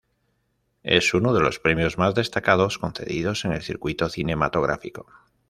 Es uno de los premios más destacados concedidos en el circuito cinematográfico.